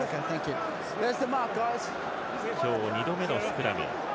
今日２度目のスクラム。